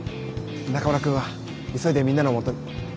中村くんは急いでみんなのもとに。